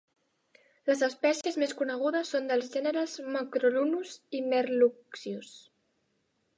Les espècies més conegudes són dels gèneres "Macruronus" i "Merluccius".